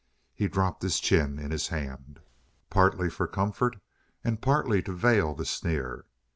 He dropped his chin in his hand, partly for comfort and partly to veil the sneer.